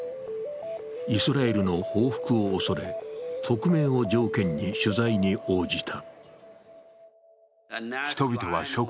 イスラエルの報復を恐れ、匿名を条件に取材に応じた。